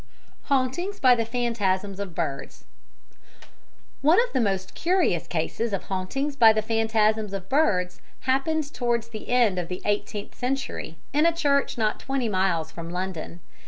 Hauntings by the Phantasms of Birds One of the most curious cases of hauntings by the phantasms of birds happened towards the end of the eighteenth century in a church not twenty miles from London.